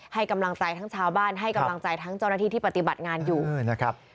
ให้กำลังใจทั้งชาวบ้านให้กำลังใจทั้งเจ้าหน้าที่ที่ปฏิบัติงานอยู่นะครับ